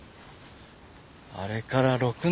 あれから６年。